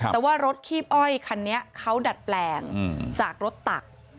แต่ว่ารถคีบอ้อยคันนี้เขาดัดแปลงจากรถตัก